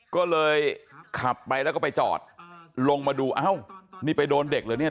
ก็เลยขับไปแล้วก็ไปจอดลงมาดูเอ้านี่ไปโดนเด็กเหรอเนี่ย